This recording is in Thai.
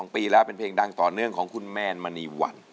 ปีแล้วเป็นเพลงดังต่อเนื่องของคุณแมนมณีวัน